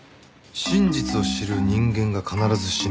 真実を知る人間が必ず死ぬ。